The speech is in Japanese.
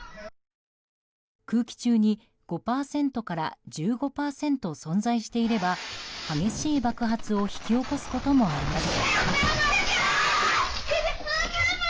空気中に５％から１５％存在していれば激しい爆発を引き起こすこともあります。